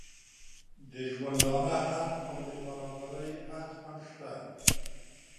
د ژوندانه حق او د برابري حق هم شته.